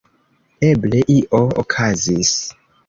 Eble, io okazis.